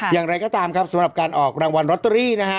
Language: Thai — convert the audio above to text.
อย่างไรก็ตามครับสำหรับการออกรางวัลลอตเตอรี่นะฮะ